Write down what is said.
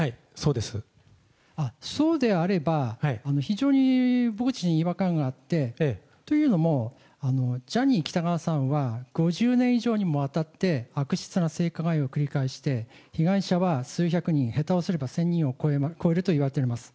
そうであれば、非常に僕自身、違和感があって、というのも、ジャニー喜多川さんは、５０年以上にもわたって、悪質な性加害を繰り返して、被害者は数百人、下手をすれば１０００人を超えるといわれております。